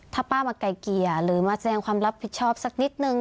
ถ้าป้ามาไกลเกลี่ยหรือมาแสดงความรับผิดชอบสักนิดนึง